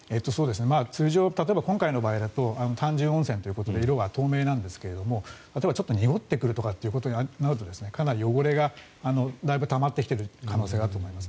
通常、今回の場合だと単純温泉ということで色は透明なんですが、例えばちょっと濁ってくるとなるとかなり汚れがだいぶたまってきている可能性があると思います。